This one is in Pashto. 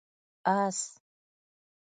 🐎 آس